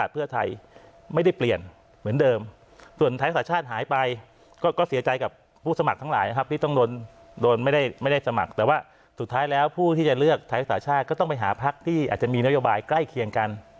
พูดที่จะเลือกไทยรักษาชาติก็ต้องไปหาภักดิ์ที่อาจจะมีนโยบายใกล้เคียงกัน